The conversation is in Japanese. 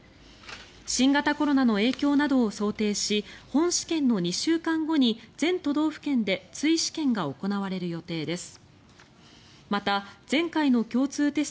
新型コロナの影響などを想定し本試験の２週間後に全都道府県で追試験が行われる予定です。